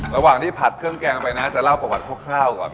ระหว่างที่ผัดเครื่องแกงไปนะจะเล่าประวัติคร่าวก่อน